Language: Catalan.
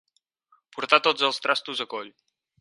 Portar tots els trastos a coll.